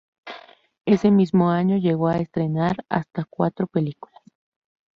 Ese mismo año llegó a estrenar hasta cuatro películas.